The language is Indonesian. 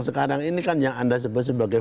sekarang ini kan yang anda sebut sebagai